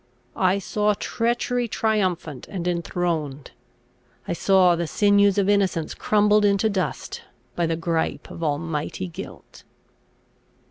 I saw treachery triumphant and enthroned; I saw the sinews of innocence crumbled into dust by the gripe of almighty guilt.